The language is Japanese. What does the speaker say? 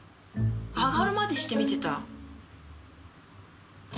上がるまでして見てた？